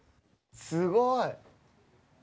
すごい。